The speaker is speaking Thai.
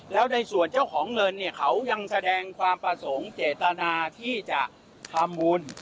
แล้วในส่วนเจ้าของเงินเนี่ยเขายังแสดงความประสงค์เจตนาที่จะทำบุญ